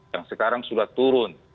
yang sekarang sudah turun